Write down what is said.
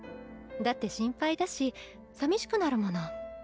だって心配だしさみしくなるもの。